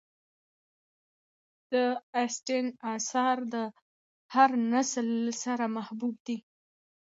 د اسټن آثار د هر نسل سره محبوب دي.